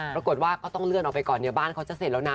ปรากฏว่าก็ต้องเลื่อนออกไปก่อนเนี่ยบ้านเขาจะเสร็จแล้วนะ